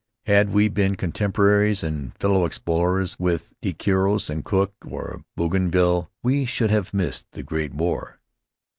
Had we been contemporaries aud fellow explorers with De Quiros, or Cook, or Bougainville we should have missed the Great War.